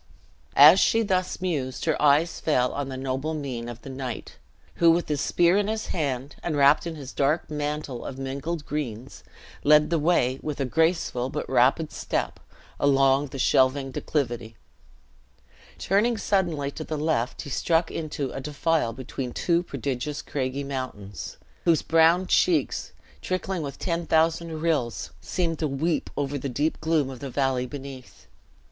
As she thus mused her eyes fell on the noble mien of the knight, who, with his spear in his hand, and wrapped in his dark mantle of mingled greens, led the way, with a graceful but rapid step, along the shelving declivity. Turning suddenly to the left, he struck into a defile between two prodigious craggy mountains, whose brown cheeks, trickling with ten thousand mountains, whose brown cheeks, trickling with ten thousand rills, seemed to weep over the deep gloom of the valley beneath.